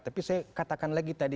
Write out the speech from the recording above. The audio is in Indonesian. tapi saya katakan lagi tadi